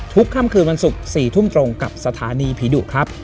ค่ำคืนวันศุกร์๔ทุ่มตรงกับสถานีผีดุครับ